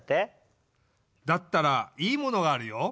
だったらいいものがあるよ。